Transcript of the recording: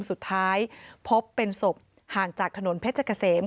สุดท้ายพบเป็นศพห่างจากถนนเพชรเกษม